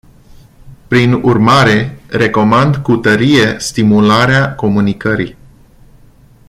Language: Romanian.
Prin urmare, recomand cu tărie stimularea comunicării.